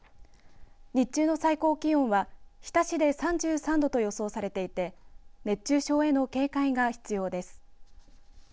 日中の最高気温は日田市で３３度と予想されていて熱中症への警戒が必要です。